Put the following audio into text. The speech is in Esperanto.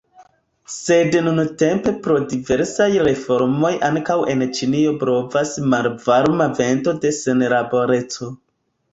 Sed nuntempe pro diversaj reformoj ankaŭ en Ĉinio blovas malvarma vento de senlaboreco.